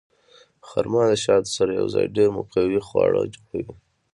خرما د شاتو سره یوځای ډېر مقوي خواړه جوړوي.